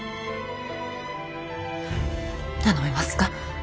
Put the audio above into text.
頼めますか？